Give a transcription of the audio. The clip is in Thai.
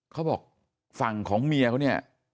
เขาบอกฝั่งของเมียเขาเนี่ย